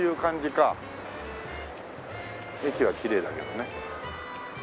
駅はきれいだけどね。